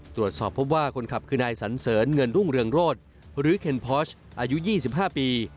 ตรวจสอบพบว่าคนขับคือนายสันเสริญเงินรุ่งเรืองโรศหรือเคนพอชอายุ๒๕ปี